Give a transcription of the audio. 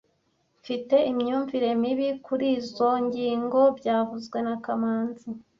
Mfite imyumvire mibi kurizoi ngingo byavuzwe na kamanzi